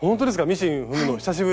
ミシン踏むの久しぶり？